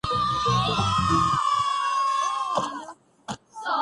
کسی سائے کی طرح معلوم ہوتے تھے